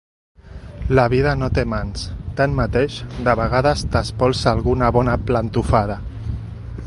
La vida no té mans; tanmateix, de vegades t'espolsa alguna bona plantofada.